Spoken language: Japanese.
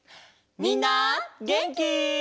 みんなげんき？